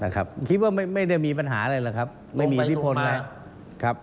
คิดว่าไม่ได้มีปัญหาอะไรหรอกครับไม่มีอิทธิพลนะครับ